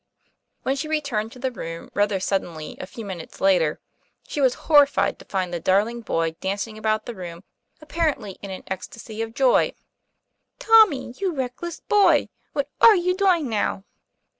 When she returned to the room rather suddenly, a few minutes later, she was horrified to find the dar ling boy dancing about the room, apparently in an ecstasy of joy. Tommy ! you reckless boy ! What are you doing now?"